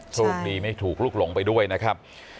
สุขนี้ไม่ถูกลุกลงไปด้วยนะครับ